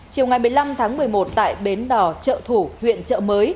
chiều ngày một mươi năm tháng một mươi một tại bến đỏ chợ thủ huyện chợ mới